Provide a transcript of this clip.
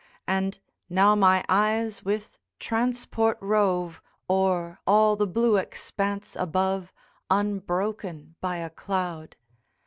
And now my eyes with transport rove O'er all the blue expanse above, Unbroken by a cloud!